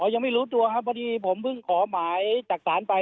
ยังไม่รู้ตัวครับพอดีผมเพิ่งขอหมายจากศาลไป